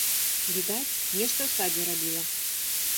Відаць, нешта ў садзе рабіла.